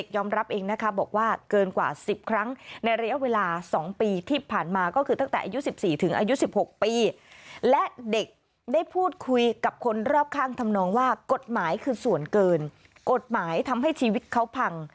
อย่างว่ากฏหมายคือส่วนเกินกฏหมายทำให้ชีวิตเขาพัง